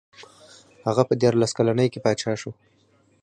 هغه په دیارلس کلنۍ کې پاچا شو.